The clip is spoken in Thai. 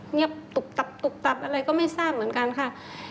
เงียบตุ๊บตับตุบตับอะไรก็ไม่ทราบเหมือนกันค่ะ